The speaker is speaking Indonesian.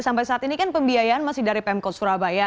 sampai saat ini kan pembiayaan masih dari pemkot surabaya